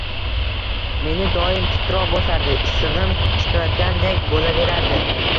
Meni doim titroq bosardi, issig`im chiqayotgandek bo`laverardi